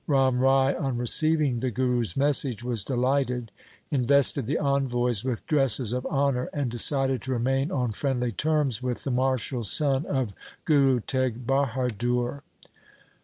Ram Rai on receiving the Guru's message was delighted, invested the envoys with dresses of honour, and decided to remain on friendly terms with the martial son of Guru Teg Bahadur.